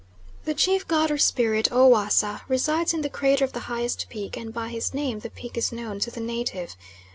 The chief god or spirit, O Wassa, resides in the crater of the highest peak, and by his name the peak is known to the native.